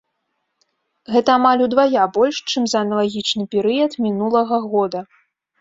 Гэта амаль удвая больш, чым за аналагічны перыяд мінулага года.